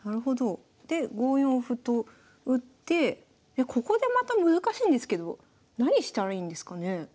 で５四歩と打ってでここでまた難しいんですけど何したらいいんですかね？